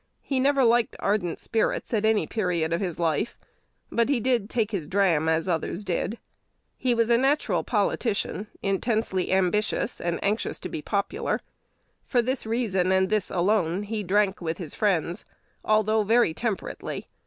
He never liked ardent spirits at any period of his life; but "he did take his dram as others did."1 He was a natural politician, intensely ambitious, and anxious to be popular. For this reason, and this alone, he drank with his friends, although very temperately.